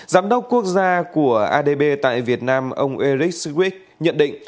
giám đốc quốc gia của adb tại việt nam ông eric swick nhận định